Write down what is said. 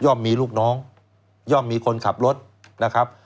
มีลูกน้องย่อมมีคนขับรถนะครับ